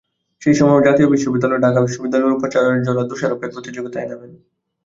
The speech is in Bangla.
সেই সময়েও জাতীয় বিশ্ববিদ্যালয় ও ঢাকা বিশ্ববিদ্যালয়ের উপাচার্যরা দোষারোপের প্রতিযোগিতায় নামেন।